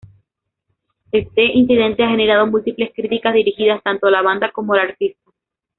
Este incidente ha generado múltiples críticas dirigidas tanto a la banda como al artista.